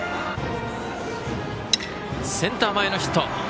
センター前のヒット。